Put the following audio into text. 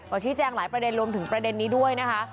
ก็ชี้แจงหลายประเด็นรวมถึงประเด็นนี้ด้วยนะคะ